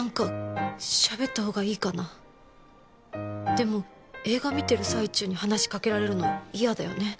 でも映画見てる最中に話しかけられるの嫌だよね